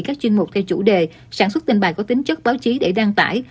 các chuyên mục theo chủ đề sản xuất tin bài có tính chất báo chí để đăng tải